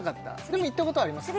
でも行ったことあります？